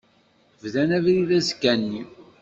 Bdan abrid azekka-nni.